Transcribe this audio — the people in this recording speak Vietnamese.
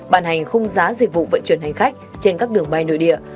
bàn hành khung giá dịch vụ vận chuyển hành khách trên các đường bay nội địa